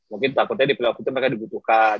mungkin takutnya di pilot itu mereka dibutuhkan